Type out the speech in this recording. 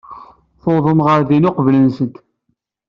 Tuwḍemt ɣer din uqbel-nsent.